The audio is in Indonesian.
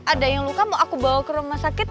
ada yang luka mau aku bawa ke rumah sakit